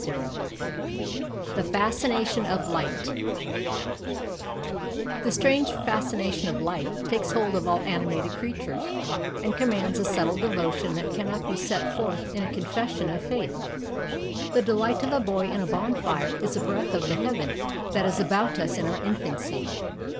Bryant THE FASCINATION OF LIGHT The strange fascination of light takes hold of all animated creatures, and commands a subtle devotion that cannot be set forth in a confession of faith. The delight of a boy in a bonfire is a breath of the heaven that is about us in our infancy.